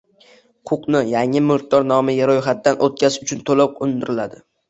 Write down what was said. Huquqni yangi mulkdor nomiga roʼyxatdan oʼtkazish uchun toʼlov undiriladi